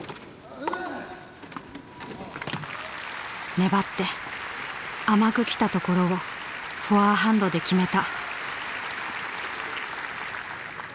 粘って甘くきたところをフォアハンドで決めた。